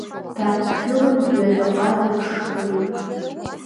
Дааҭгыланы ҩадаҟа дыԥшуеит.